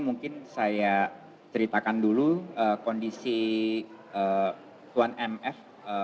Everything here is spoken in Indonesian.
mungkin saya ceritakan dulu kondisi tuan mf